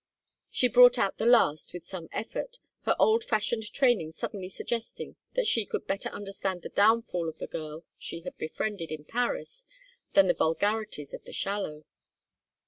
She brought out the last with some effort, her old fashioned training suddenly suggesting that she could better understand the downfall of the girl she had befriended in Paris than the vulgarities of the shallow.